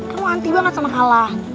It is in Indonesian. kamu anti banget sama kala